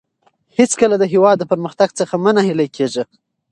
هېڅکله د هېواد د پرمختګ څخه مه ناهیلي کېږئ.